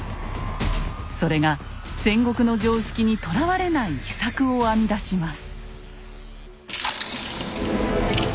それが戦国の常識にとらわれない秘策を編み出します。